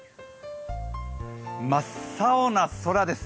真っ青な空です。